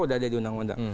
udah ada di undang undang